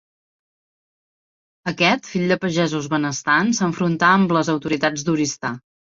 Aquest, fill de pagesos benestants, s'enfrontà amb les autoritats d'Oristà.